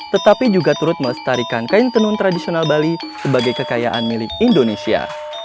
tetapi juga turut melestarikan kain tenun tradisional bali sebagai kekayaan milik indonesia